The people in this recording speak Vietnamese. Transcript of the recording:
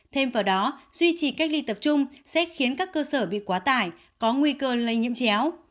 thêm vào đó duy trì cách ly tập trung sẽ khiến các cơ sở bị quá tải có nguy cơ lây nhiễm chéo